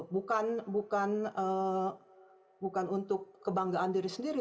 bukan bukan bukan untuk kebanggaan diri sendiri